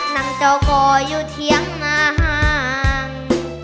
นั่งเจ้าก่ออยู่เถียงมาห่าง